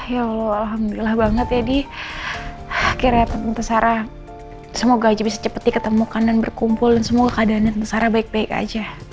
ya allah alhamdulillah banget ya di akhirnya tante sarah semoga aja bisa cepet diketemu kanan berkumpul dan semoga keadaannya tante sarah baik baik aja